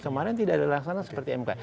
kemarin tidak ada laksana seperti mk